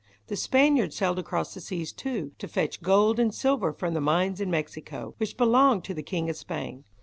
The Spaniards sailed across the seas too, to fetch gold and silver from the mines in Mexico, which belonged to the King of Spain.